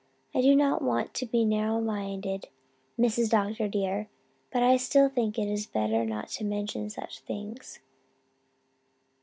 I do not want to be narrow minded, Mrs. Dr. dear, but I still think it is better not to mention such things.'